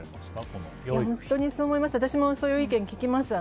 私もそういう意見聞きます。